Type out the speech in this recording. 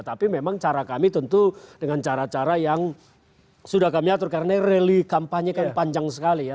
tapi memang cara kami tentu dengan cara cara yang sudah kami atur karena ini rally kampanye kan panjang sekali ya